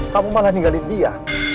kamu malah ninggalin dia